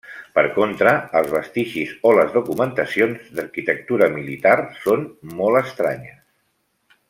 Per contra, els vestigis o les documentacions d'arquitectura militar són molt estranyes.